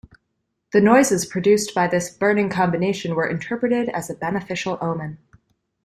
The noises produced by this burning combination were interpreted as a beneficial omen.